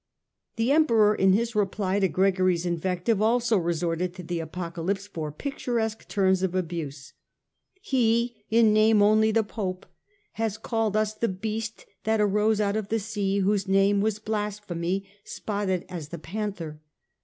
The Emperor, in his reply to Gregory's invective, also resorted to the Apocalypse for picturesque terms of abuse. " He, in name only the Pope, has called us the Beast that arose out of the sea, whose name was Blas phemy, spotted as the panther.